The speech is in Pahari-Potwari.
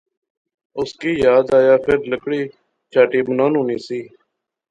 اس کی یاد آیا فیر لکڑی چہاٹھی بنانونی سی